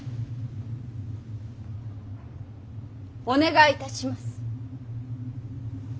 お願いいたします。